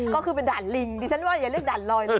ก็คือเป็นด่านลิงดิฉันว่าอย่าเรียกด่านลอยนะ